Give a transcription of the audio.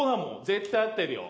絶対合ってるよ。